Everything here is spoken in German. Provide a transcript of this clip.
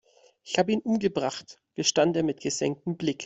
Ich habe ihn umgebracht, gestand er mit gesenktem Blick.